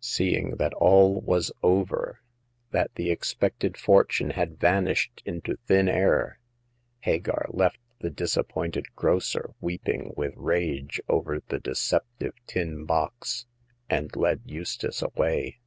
Seeing that all was over, that the expected fortune had vanished into thin air, Hagar left the disappointed grocer weeping with rage over the deceptive tin box, and led Eustace away.